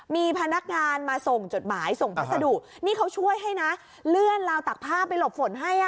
มีพนักงานมาส่งจดหมายส่งพัสดุนี่เขาช่วยให้นะเลื่อนลาวตักผ้าไปหลบฝนให้อ่ะ